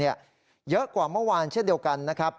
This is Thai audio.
เยอะกว่าเมื่อวานเช่นเดียวกันนะครับ